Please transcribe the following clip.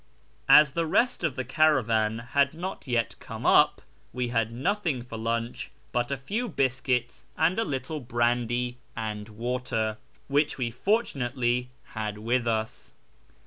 As the rest of the caravan had not yet come up, we had nothing for lunch but a few biscuits and a little brandy and water, which we fortunately had with us.